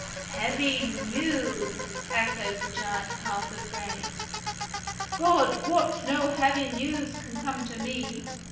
"Heavy news," echoed the giant, half afraid. "God wot no heavy news can come to me.